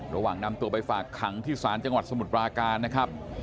ระหว่างนำตัวไปฝากขังที่ศาลจังหวัดสมุทรปราการนะครับ